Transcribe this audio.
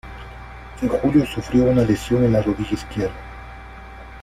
En julio sufrió una lesión en la rodilla izquierda.